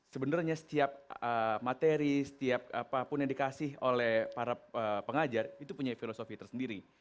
sebenarnya setiap materi setiap apapun yang dikasih oleh para pengajar itu punya filosofi tersendiri